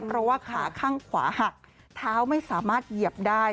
เพราะว่าขาข้างขวาหักเท้าไม่สามารถเหยียบได้